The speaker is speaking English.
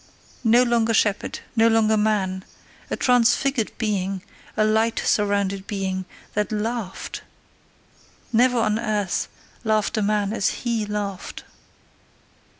No longer shepherd, no longer man a transfigured being, a light surrounded being, that LAUGHED! Never on earth laughed a man as HE laughed!